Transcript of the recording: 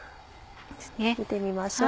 見てみましょう。